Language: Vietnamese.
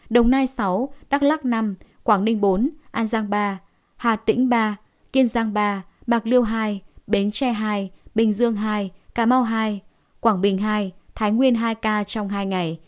đồng nai sáu đắk lắc năm quảng ninh bốn an giang ba hà tĩnh ba kiên giang ba bạc liêu hai bến tre hai bình dương hai cà mau hai quảng bình ii thái nguyên hai ca trong hai ngày